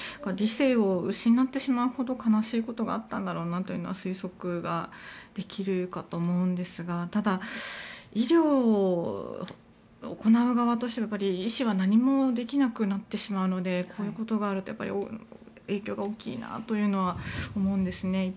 理性を失ってしまうほど悲しいことがあったんだろうなというのは推測ができるかと思うんですがただ、医療を行う側としては医師は何もできなくなってしまうのでこういうことがあると影響が大きいなというのは思うんですね。